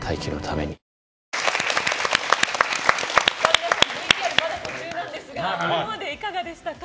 皆さんＶＴＲまだ途中なんですがここまでいかがでしたか？